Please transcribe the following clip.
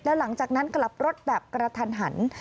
แล้วหลังจากนั้นกลับรถแบบกระทันหัน